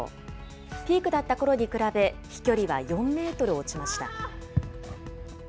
ピークだったころに比べ飛距離は４メートル落ちました。